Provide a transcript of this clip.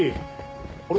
あれ？